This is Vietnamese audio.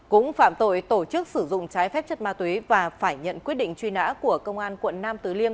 cũng phạm tội tổ chức sử dụng trái phép chất ma túy và phải nhận quyết định truy nã của công an quận nam tứ liêm